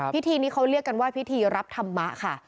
พิธีนี้เขาเรียกกันว่าพิธีรับธรรมะค่ะ